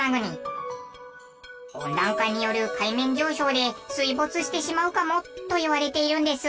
温暖化による海面上昇で水没してしまうかもといわれているんです。